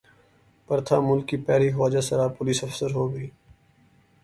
پرتھا ملک کی پہلی خواجہ سرا پولیس افسر ہو گی